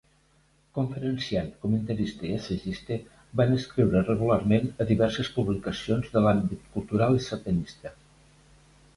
Conferenciant, comentarista i assagista, va escriure regularment a diverses publicacions de l'àmbit cultural i sardanista.